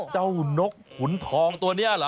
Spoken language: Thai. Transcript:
นกขุนทองตัวนี้เหรอ